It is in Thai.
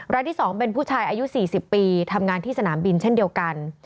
รายที่๒เป็นผู้ชายอายุ๔๐ปีทำงานที่สนามบินเช่นเดียวกัน